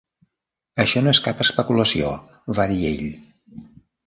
""Això no és cap especulació", va dir ell."